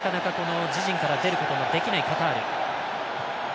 まだなかなか自陣から出ることのできないカタール。